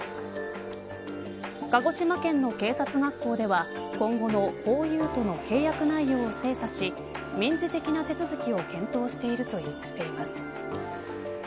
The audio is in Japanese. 鹿児島県の警察学校では今後のＨＯＹＵとの契約内容を精査し民事的な手続きをし検討しているといいます。